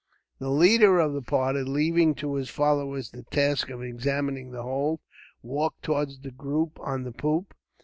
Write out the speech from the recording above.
The leader of the party, leaving to his followers the task of examining the hold, walked towards the group on the poop.